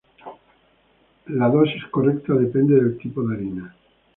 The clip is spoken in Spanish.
La dosis correcta depende del tipo de harina.